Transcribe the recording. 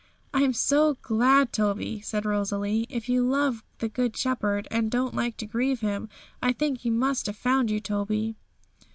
'I'm so glad, Toby!' said little Rosalie. 'If you love the Good Shepherd, and don't like to grieve Him, I think He must have found you, Toby.'